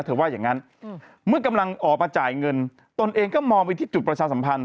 ว่าอย่างนั้นเมื่อกำลังออกมาจ่ายเงินตนเองก็มองไปที่จุดประชาสัมพันธ